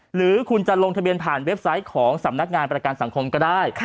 หรือคุณจะลงทะเบียนผ่านเว็บไซต์ของสำนักงานประกันสังคมก็ได้